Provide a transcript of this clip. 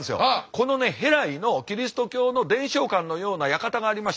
この戸来のキリスト教の伝承館のような館がありまして